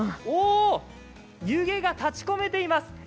お、湯気が立ちこめています。